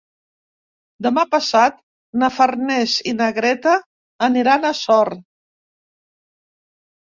Demà passat na Farners i na Greta aniran a Sort.